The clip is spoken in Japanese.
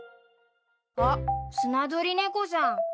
あっスナドリネコさん。